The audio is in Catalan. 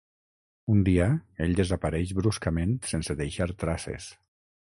Un dia, ell desapareix bruscament sense deixar traces.